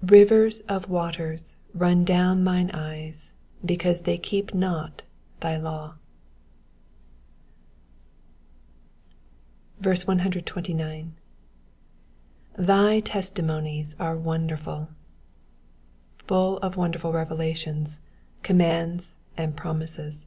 136 Rivers of waters run down mine eyes, because they keep not thy law. 129. TAy testimonies are wonderful^ Full of wonderful revelations, commands, and promises.